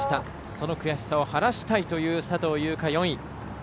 その悔しさを晴らしたいという佐藤悠花、４位。